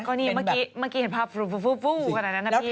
ก็นี่เมื่อกี้เห็นภาพขนาดนั้นนะพี่